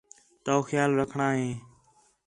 تو خیال رکھݨاں ہے